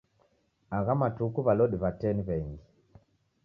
Agha matuku w'alodi w'a tee ni w'engi